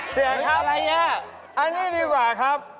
จริงล่ะ